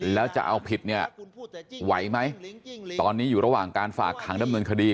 แล้วจะเอาผิดเนี่ยไหวไหมตอนนี้อยู่ระหว่างการฝากขังดำเนินคดี